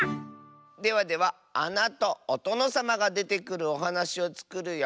ではではあなとおとのさまがでてくるおはなしをつくるよ。